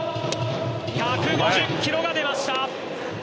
１５０キロが出ました。